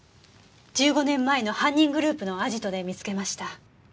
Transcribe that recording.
１５年前の犯人グループのアジトで見つけました。